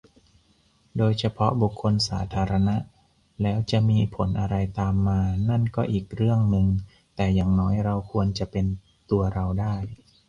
โดยเฉพาะบุคคลสาธารณะ แล้วจะมีผลอะไรตามมานั่นก็อีกเรื่องนึง แต่อย่างน้อยเราควรจะเป็นตัวเราได้